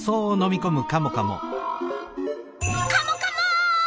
カモカモ！